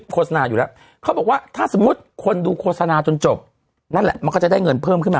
โฆษณาอยู่แล้วเขาบอกว่าถ้าสมมุติคนดูโฆษณาจนจบนั่นแหละมันก็จะได้เงินเพิ่มขึ้นมา